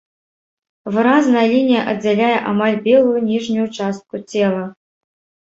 Выразная лінія аддзяляе амаль белую ніжнюю частку цела.